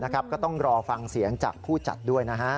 ก็ต้องรอฟังเสียงจากผู้จัดด้วยนะฮะ